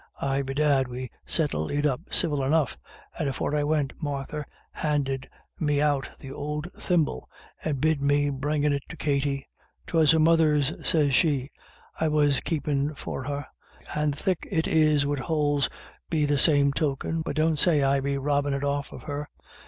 Aye bedad, we settled it up civil enough. And afore I went Martha handed me out th' ould thimble, and bid me be bringin' it to Katty. ' 'Twas her mother's/ sez she, 'I was keepin' for her; and thick it is wid holes be the same token, but don't COMING AND GOING. 311 say Fd be robbin* it off of her.'